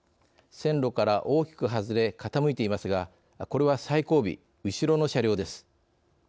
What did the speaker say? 線路から大きく外れ傾いていますがこれは最後尾、後ろの車両です。